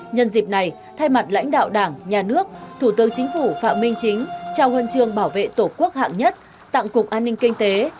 nhân dịp này thay mặt lãnh đạo đảng nhà nước thủ tướng chính phủ phạm minh chính trao huân chương bảo vệ tổ quốc hạng nhất tặng cục an ninh kinh tế